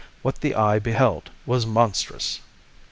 What that eye beheld was monstrous.